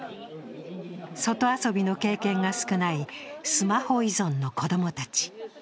外遊びの経験が少ないスマホ依存の子供たち。